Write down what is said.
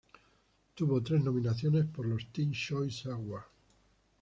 Tuvo tres nominaciones por los Teen Choice Awards.